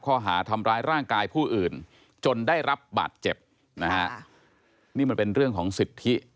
ข้อหาทำร้ายร่างกายผู้อื่นจนได้รับบาดเจ็บนะฮะนี่มันเป็นเรื่องของสิทธิ